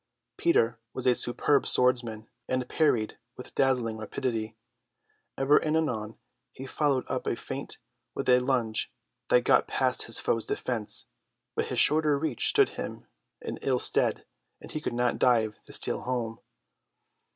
Peter was a superb swordsman, and parried with dazzling rapidity; ever and anon he followed up a feint with a lunge that got past his foe's defence, but his shorter reach stood him in ill stead, and he could not drive the steel home.